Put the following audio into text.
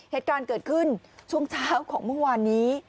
เหตุการณ์เกิดขึ้นช่วงเช้าของเมื่อวานนี้